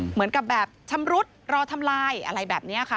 เหมือนกับแบบชำรุดรอทำลายอะไรแบบนี้ค่ะ